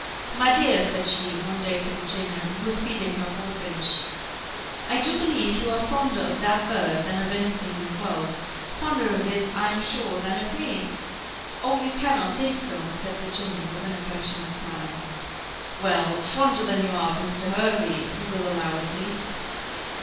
"My dear," said she, one day to Virginia, who was feeding her bullfinch, "I do believe you are fonder of that bird than of any thing in the world fonder of it, I am sure, than of me." "Oh! you cannot think so," said Virginia, with an affectionate smile. "Well! fonder than you are of Mr. Hervey, you will allow, at least?"